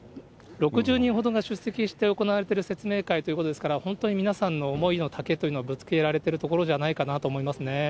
６０人ほどが出席して行われている説明会ということですから、本当に皆さんの思いのたけというのをぶつけられているところじゃないかなと思いますね。